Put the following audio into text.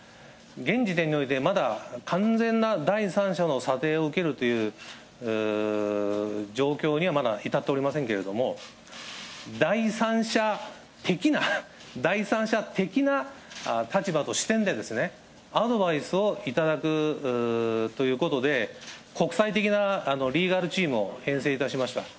現時点において、まだ完全な第三者の査定を受けるという状況にはまだ至っておりませんけれども、第三者的な、第三者的な立場と視点でアドバイスをいただくということで、国際的なリーガルチームを編成いたしました。